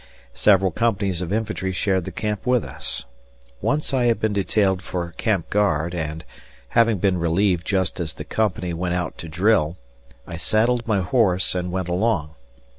Several companies of infantry shared the camp with us. Once I had been detailed for camp guard and, having been relieved just as the company went out to drill, I saddled my horse and went along.